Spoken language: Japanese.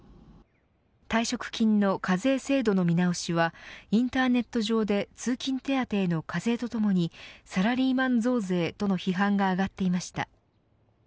退職金の課税制度の見直しはインターネット上で通勤手当への課税とともにサラリーマン増税との批判が上がっていました。